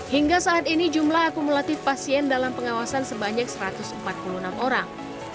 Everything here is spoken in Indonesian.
hingga saat ini jumlah akumulatif pasien dalam pengawasan sebanyak satu ratus empat puluh enam orang